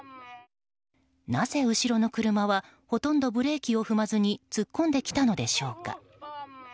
なぜ、後ろの車はほとんどブレーキを踏まずに突っ込んできたのでしょうか。